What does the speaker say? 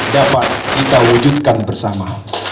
dapat kita wujudkan bersama